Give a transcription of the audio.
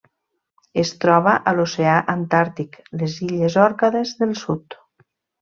Es troba a l'oceà Antàrtic: les illes Òrcades del Sud.